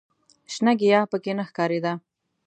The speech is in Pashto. شنه ګیاه په کې نه ښکارېده.